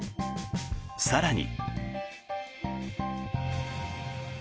更に。